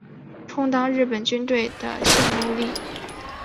充当日本军队的性奴隶